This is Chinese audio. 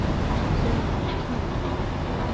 生于隆庆五年。